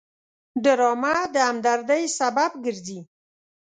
ډرامه د همدردۍ سبب ګرځي